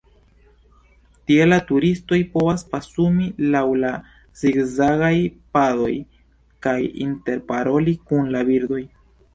Tie la turistoj povas pasumi lau la zigzagaj padoj kaj interparoli kun la birdoj.